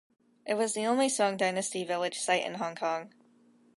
It was the only Song Dynasty village site in Hong Kong.